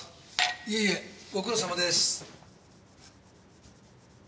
いえいえご苦労さまです。